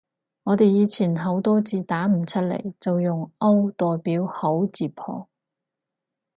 我哋以前好多字打唔出來，就用 O 代表口字旁